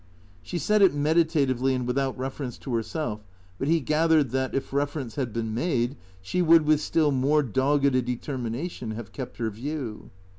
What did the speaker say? She said it meditatively and without reference to herself; but he gathered that, if reference had been made, she would, with still more dogged a determination, have kept her view.